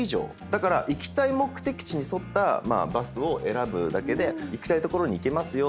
だから行きたい目的地に沿ったバスを選ぶだけで行きたい所に行けますよっていう。